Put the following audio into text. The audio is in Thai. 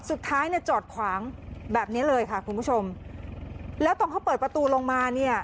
สุดท้ายเนี่ยจอดขวางแบบเนี้ยเลยค่ะคุณผู้ชมแล้วตอนเขาเปิดประตูลงมาเนี่ย